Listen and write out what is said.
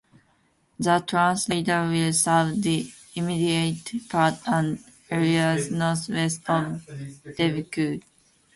The translator will serve the immediate part and areas northwest of Dubuque.